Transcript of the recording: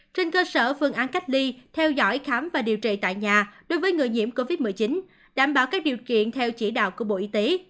trên cơ sở phương án cách ly theo dõi khám và điều trị tại nhà đối với người nhiễm covid một mươi chín đảm bảo các điều kiện theo chỉ đạo của bộ y tế